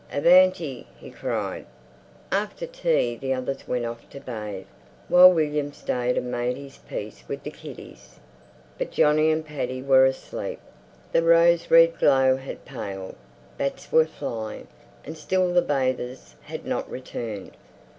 "Avanti!" he cried.... After tea the others went off to bathe, while William stayed and made his peace with the kiddies. But Johnny and Paddy were asleep, the rose red glow had paled, bats were flying, and still the bathers had not returned.